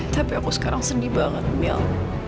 tapi aku sekarang sedih banget mil